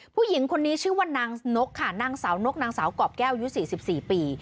ผู้หญิงคนนี้ชื่อว่านางนกค่ะนางสาวนกนางสาวกรอบแก้วอายุ๔๔ปี